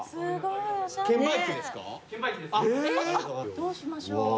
どうしましょう？